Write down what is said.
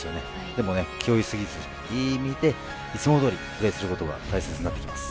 でも気負いすぎずいい意味でいつもどおりプレーすることが大切になってきます。